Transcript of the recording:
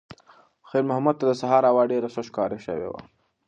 خیر محمد ته د سهار هوا ډېره سړه ښکاره شوه.